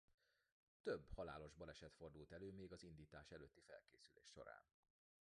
Több halálos baleset fordult elő még az indítás előtti felkészülés során.